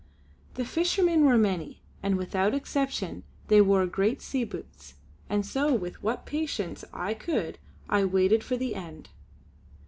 The fishermen were many, and without exception wore great sea boots. And so with what patience I could I waited for the end.